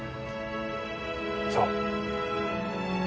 そう。